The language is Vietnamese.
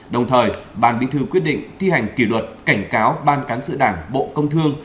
đồng thời bàn bí thư quyết định thi hành kỷ luật cảnh cáo ban cán sự đảng bộ công thương